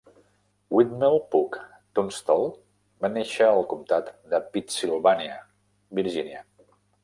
Whitmell Pugh Tunstall va néixer al comtat de Pittsylvania, Virginia.